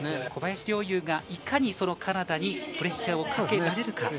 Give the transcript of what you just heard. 小林陵侑がいかにカナダにプレッシャーをかけられるか。